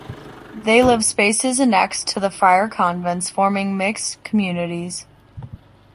They lived spaces annexed to the friar convents, forming mixed communities.